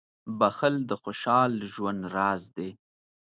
• بښل د خوشحال ژوند راز دی.